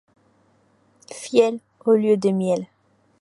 Fiel au lieu de miel.